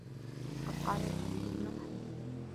فَقَدْ قَالَ الْخَلِيلُ بْنُ أَحْمَدَ